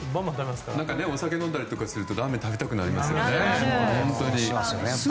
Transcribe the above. お酒飲んだりするとラーメン食べたくなりますよね。